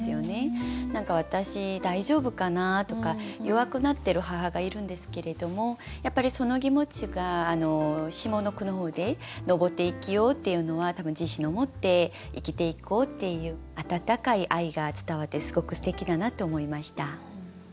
何か「私大丈夫かな？」とか弱くなってる母がいるんですけれどもやっぱりその気持ちが下の句の方で「登って生きよ」っていうのは多分自信を持って生きていこうっていう温かい愛が伝わってすごくすてきだなって思いました。